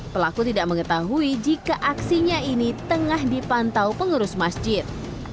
pelaku tidak mengetahui jika aksinya ini tengah dipantau pengurus masjid